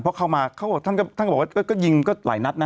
เพราะเข้ามาเขาบอกท่านก็บอกว่าก็ยิงก็หลายนัดนะ